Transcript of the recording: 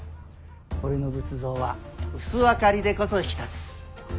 俺の仏像は薄明かりでこそ引き立つ。